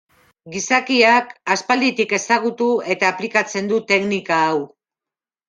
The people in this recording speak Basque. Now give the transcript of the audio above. Gizakiak aspalditik ezagutu eta aplikatzen du teknika hau.